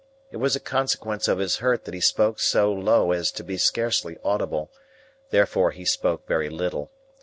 It was a consequence of his hurt that he spoke so low as to be scarcely audible; therefore he spoke very little.